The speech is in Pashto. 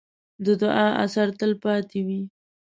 د دعا اثر تل پاتې وي.